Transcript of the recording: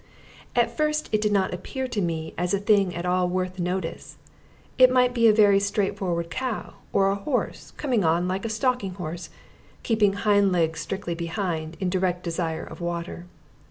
At first it did not appear to me as a thing at all worth notice; it might be a very straightforward cow, or a horse, coming on like a stalking horse, keeping hind legs strictly behind, in direct desire of water.